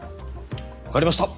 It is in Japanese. わかりました！